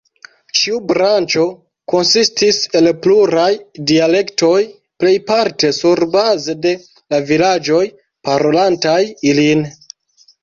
Ĉiu branĉo konsistis el pluraj dialektoj, plejparte surbaze de la vilaĝoj parolantaj ilin.